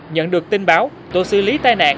nhận được tin báo tổ xử lý tai nạn